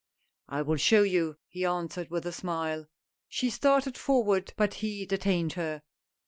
" I will show you," he answered with a smile. She started forward, but he detained her.